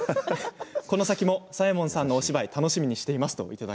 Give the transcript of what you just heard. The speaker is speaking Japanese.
この先も、左衛門さんのお芝居楽しみにしています。